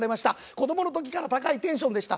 子どもの時から高いテンションでした。